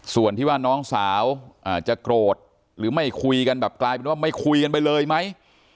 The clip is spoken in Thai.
ส่วนที่ว่าน้องสาวจะโกรธหรือไม่คุยกันแบบกลายเป็นว่าไม่คุยกันไปเลยไหม